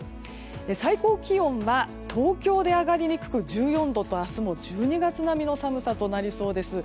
最高気温は、東京で上がりにくく１４度と明日も１２月並みの寒さとなりそうです。